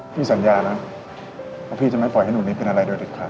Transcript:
พี่สัญญานะว่าพี่จะไม่ปล่อยให้หนูนี้เป็นอะไรโดยเด็ดขาด